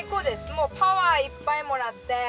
もうパワーいっぱいもらって。